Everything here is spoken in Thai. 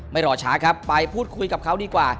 รอช้าครับไปพูดคุยกับเขาดีกว่า